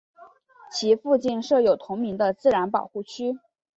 其附近设有同名的自然保护区。